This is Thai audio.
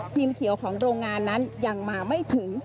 เขียวของโรงงานนั้นยังมาไม่ถึง